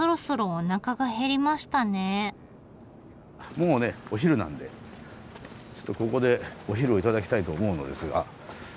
もうねお昼なんでちょっとここでお昼をいただきたいと思うのですが。